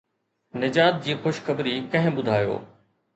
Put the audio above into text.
نجات جي خوشخبري ڪنهن ٻڌايو؟